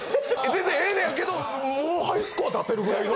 全然ええねんけどハイスコア出せるぐらいの。